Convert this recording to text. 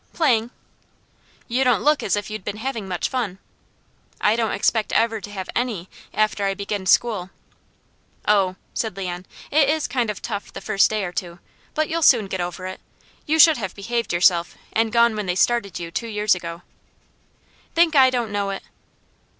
"Playing." "You don't look as if you'd been having much fun." "I don't expect ever to have any, after I begin school." "Oh!" said Leon. "It is kind of tough the first day or two, but you'll soon get over it. You should have behaved yourself, and gone when they started you two years ago." "Think I don't know it?"